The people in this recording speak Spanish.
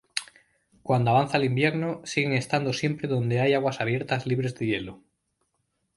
Cuando avanza el invierno, siguen estando siempre donde hay aguas abiertas libres de hielo.